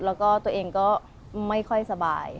แล้วก็ตัวเองก็ไม่ค่อยสบาย